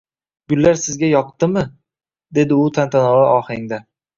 — Gullar sizga yoqdimi? – dedi u tantanavor ohangda.